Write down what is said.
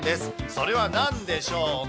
それはなんでしょうか？